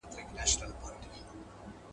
ته ولي کالي وچوې،